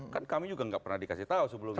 kan kami juga gak pernah dikasih tahu sebelum ini